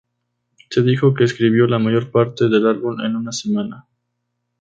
Se dijo que escribió la mayor parte del álbum en una semana.